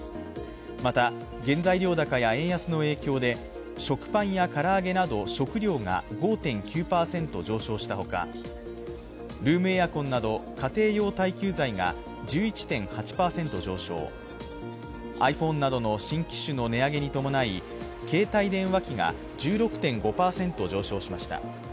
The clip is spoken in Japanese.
また、原材料高や円安の影響で食パンや唐揚げなど食料が５．９％上昇したほかルームエアコンなど家庭用耐久財が１１．８％上昇、ｉＰｈｏｎｅなどの新機種の値上げに伴い、携帯電話機が１６．５％上昇しました。